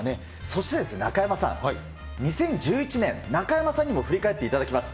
そしてですね、中山さん、２０１１年、中山さんにも振り返っていただきます。